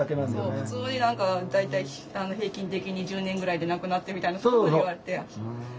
普通に何か「大体平均的に１０年ぐらいで亡くなって」みたいな言われて。